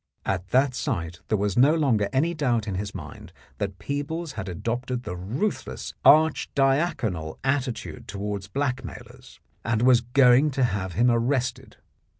At that sight there was no longer any doubt in his mind that Peebles had adopted the ruth less archidiaconal attitude towards blackmailers, and was going to have him arrested.